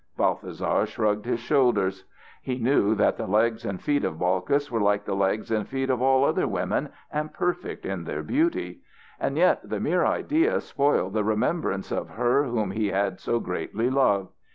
Balthasar shrugged his shoulders. He knew that the legs and feet of Balkis were like the legs and feet of all other women and perfect in their beauty. And yet the mere idea spoiled the remembrance of her whom he had so greatly loved.